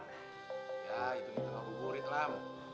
ya itu minta aku murid lam